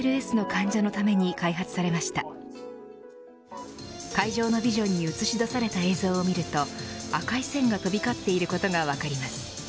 会場のビジョンに映し出された映像を見ると赤い線が飛び交っていることが分かります。